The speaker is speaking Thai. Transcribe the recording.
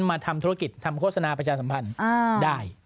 มาทำธุรกิจทำโฆษณาประชาสัมพันธ์ได้